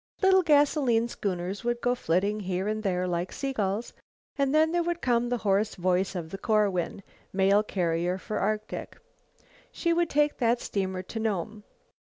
Little gasoline schooners would go flitting here and there like sea gulls, and then would come the hoarse voice of the Corwin, mail steamer for Arctic. She would take that steamer to Nome.